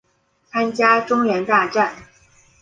参加中原大战。